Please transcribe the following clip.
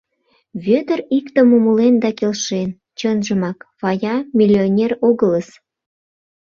Вӧдыр иктым умылен да келшен: чынжымак, Фая миллионер огылыс.